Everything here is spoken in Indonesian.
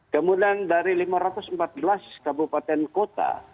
kemudian dari lima ratus empat belas kabupaten kota